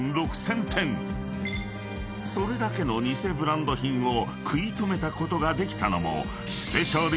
［それだけの偽ブランド品を食い止めたことができたのも］